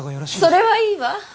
それはいいわ。